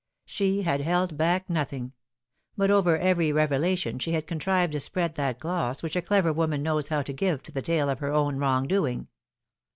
She had held back nothing ; but over every revelation she had contrived to spread that gloss which a clever woman knows how to give to the tale of her own wrong doing.